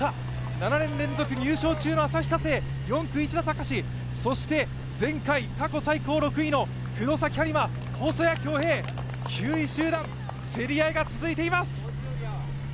７年連続入賞中の旭化成、４区市田孝、そして前回過去最高６位の黒崎播磨、細谷恭平、９位集団競り合いが続いています。